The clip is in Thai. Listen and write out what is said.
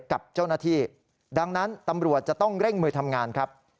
กับเจ้าหน้าที่ดังนั้นตำรวจจะต้องเร่งมือทำงานครับ